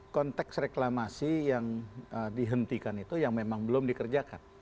konteks reklamasi yang dihentikan itu yang memang belum dikerjakan